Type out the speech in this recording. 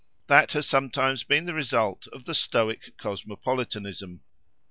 That has sometimes been the result of the Stoic cosmopolitanism.